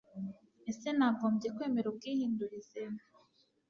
Ese nagombye kwemera ubwihindurize